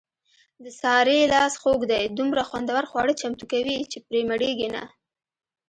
د سارې لاس خوږ دی دومره خوندور خواړه چمتو کوي، چې پرې مړېږي نه.